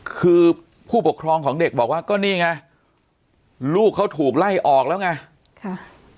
คือผู้ปกครองของเด็กบอกว่าก็นี่ไงลูกเขาถูกไล่ออกแล้วไงค่ะ